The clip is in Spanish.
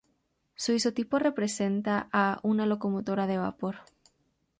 Su isotipo representa a una locomotora de vapor.